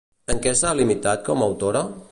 En què s'ha limitat com a autora?